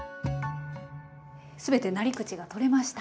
すべてなり口が取れました。